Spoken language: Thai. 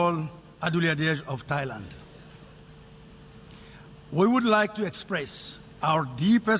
ขอบคุณครับ